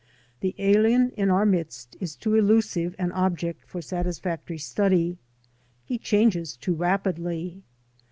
The alien in our midst is too elusive an object for satisfactory study. He changes too rapidly.